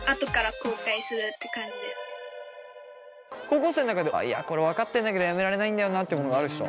高校生の中でいやこれ分かってんだけどやめられないんだよなってものがある人？